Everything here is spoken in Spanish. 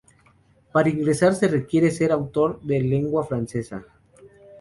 Para ingresar se requiere ser autor de lengua francesa.